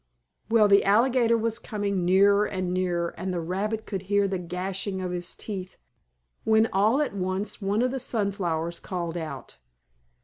Well, the alligator was coming nearer and nearer, and the rabbit could hear the gnashing of his teeth, when, all at once one of the sunflowers called out.